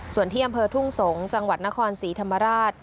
ส่วนที่อำเภอทุ่งสงศ์จังหวัดนครศรีธรรมราช